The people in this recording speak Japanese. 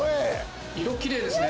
色きれいですね。